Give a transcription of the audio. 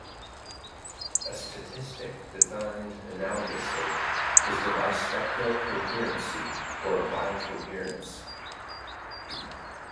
A statistic defined analogously is the "bispectral coherency" or "bicoherence".